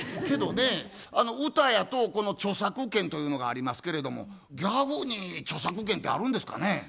けどね歌やとこの著作権というのがありますけれどもギャグに著作権ってあるんですかね？